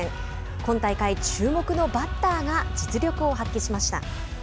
今大会注目のバッターが実力を発揮しました。